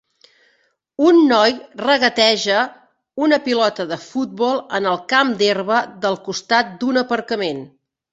Un noi regateja una pilota de futbol en un camp d'herba al costat d'un aparcament.